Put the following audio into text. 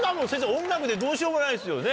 音楽でどうしようもないですよね。